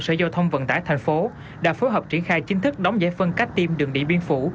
sở giao thông vận tải thành phố đã phối hợp triển khai chính thức đóng giải phân cách tiêm đường điện biên phủ